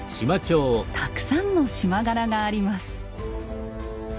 たくさんの縞柄があります。